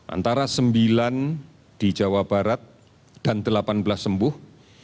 antara sembilan di jawa barat dan delapan belas sembuh